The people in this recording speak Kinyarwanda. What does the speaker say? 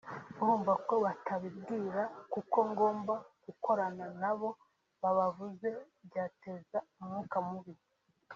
urumva ko batabimbwira kuko ngomba gukorana nabo babavuze byateza umwuka mubi